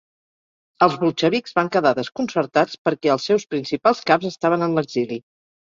Els bolxevics van quedar desconcertats perquè els seus principals caps estaven en l'exili.